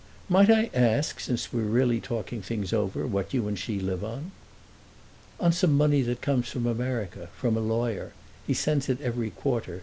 "Might I ask, since we are really talking things over, what you and she live on?" "On some money that comes from America, from a lawyer. He sends it every quarter.